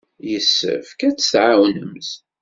Yessefk ad tt-tɛawnemt.